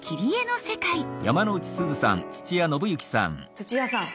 土屋さん